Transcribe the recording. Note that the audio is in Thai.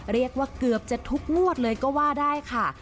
เรียกว่าเกือบจะทุกงวดเลยก็ว่าได้ค่ะ